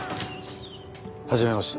初めまして。